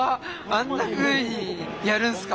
あんなふうにやるんすか？